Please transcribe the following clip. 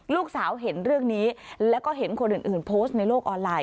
ลูกสาวเห็นเรื่องนี้แล้วก็เห็นคนอื่นโพสต์ในโลกออนไลน